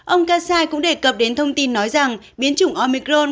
ông kasai cũng đề cập đến thông tin nói rằng biến chủng omicron